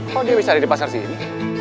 kok dia bisa ada di pasar sini